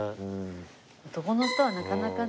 男の人はなかなかね。